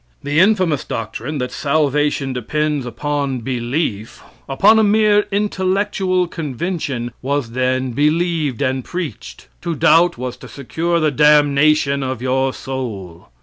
The infamous doctrine that salvation depends upon belief, upon a mere intellectual conviction, was then believed and preached. To doubt was to secure the damnation of your soul.